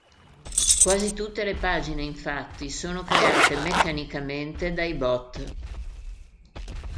Quasi tutte le pagine, infatti, sono create meccanicamente dai bot.